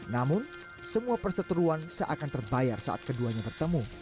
namun semua perseteruan seakan terbayar saat keduanya bertemu